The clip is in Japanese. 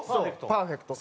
パーフェクト。